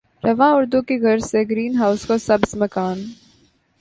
رواں اردو کی غرض سے گرین ہاؤس کو سبز مکان